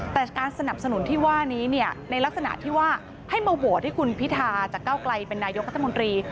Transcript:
แต่การสนับสนุนที่ว่านี้เนี่ยในลักษณะที่ว่าให้มาโหวตให้คุณพิธาจากเก้าไกลเป็นนายกรัฐมนตรี